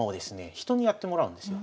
人にやってもらうんですよ。